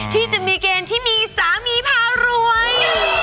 ที่จะมีเกณฑ์ที่มีสามีพารวย